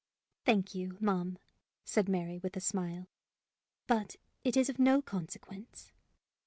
"Thank you, ma'am," said Mary, with a smile, "but it is of no consequence."